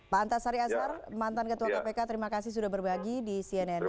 pak antasari azhar mantan ketua kpk terima kasih sudah berbagi di cnn indonesia